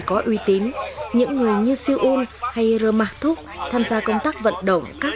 cho họ hiểu biết nhân thức đúng sai